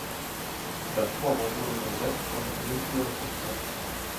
Das Vorwort wurde übersetzt von Olimpia Hruska.